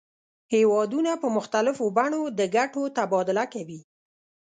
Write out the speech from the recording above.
هیوادونه په مختلفو بڼو د ګټو تبادله کوي